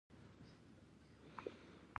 د میدان وردګو په بهسودو کې د اوسپنې نښې شته.